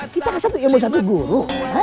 kita kan satu ibu satu guru